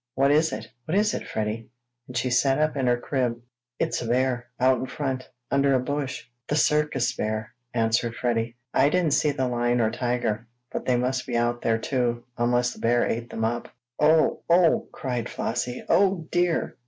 "What is it? What is it, Freddie?" and she sat up in her crib. "It's a bear out in front under a bush. The circus bear!" answered Freddie. "I didn't see the lion or tiger, but they must be out there too, unless the bear ate them up!" "Oh! Oh!" cried Flossie. "Oh, dear!"